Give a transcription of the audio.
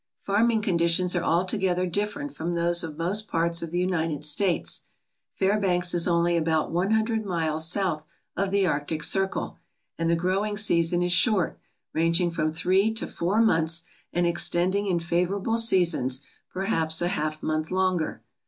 Farming conditions are altogether different from those of most parts of the United States. Fairbanks is only about one hundred miles south of the Arctic Circle, and the growing season is short, ranging from three to four months, and extending in favourable seasons perhaps a half month longer.